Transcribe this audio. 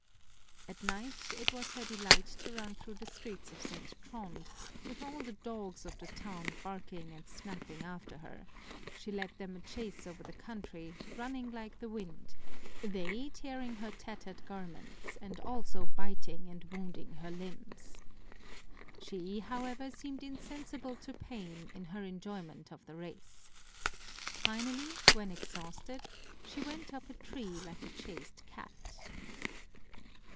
At night it was her delight to run through the streets of St. Trond, with all the dogs of the town barking and snapping after her ; she led them a chase over the country, running like the wind, they tearing her tattered garments, and also biting and wounding her limbs. She, however, seemed insensible to pain, in her enjoyment of the race. Finally, when exhausted, she went up a tree like a chased cat.